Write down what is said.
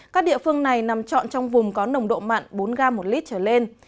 các địa phương này nằm trọn trong vùng có nồng độ mặn bốn gram một lít trở lên